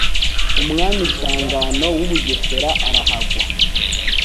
umwami Sangano w'u Bugesera arahagwa.